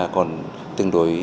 còn tương đối